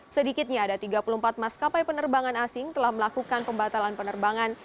sedikitnya ada tiga puluh empat maskapai penerbangan asing telah melakukan pembatalan penerbangan